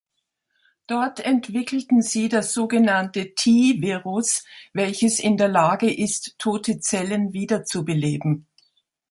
Dort entwickelten sie das sogenannte T-Virus, welches in der Lage ist, tote Zellen wiederzubeleben.